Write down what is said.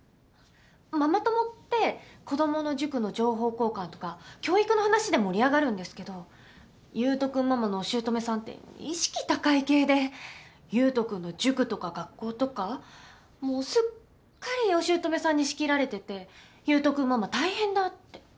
ママ友って子供の塾の情報交換とか教育の話で盛り上がるんですけど優斗君ママのお姑さんって意識高い系で優斗君の塾とか学校とかもうすっかりお姑さんに仕切られてて優斗君ママ大変だって。